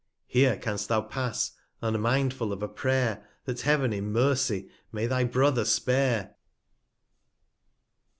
350 Here canst thou pass, unmindful of a Pray'r, That Heav'n in Mercy may thy Brother spare